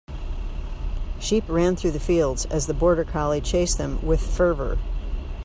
Sheep ran through the fields as the border collie chased them with fervor.